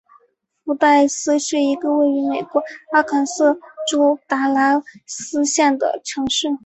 福代斯是一个位于美国阿肯色州达拉斯县的城市。